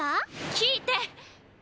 聞いて！